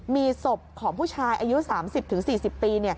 มีศพของผู้ชายอายุ๓๐๔๐ปี